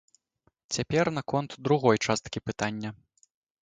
Цяпер наконт другой часткі пытання.